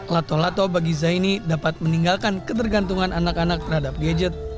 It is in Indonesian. lato lato bagi zaini dapat meninggalkan ketergantungan anak anak terhadap gadget